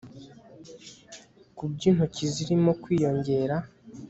kubyo intoki zirimo kwiyongera